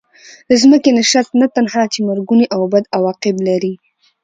د ځمکې نشست نه تنها چې مرګوني او بد عواقب لري.